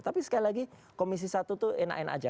tapi sekali lagi komisi satu itu enak enak aja